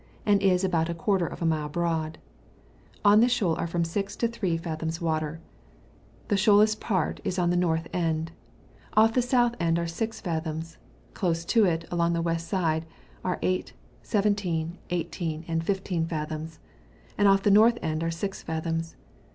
and is about a quarter of a mile broad. On this shoal are from 6 to 3 fathoms water : the shoalest part is on the north end ; off the south end are 6 fathoms ; close to it, along the west side, are 8, 17, 18, and 15 fathoms : and off the north end are 6 fathoms.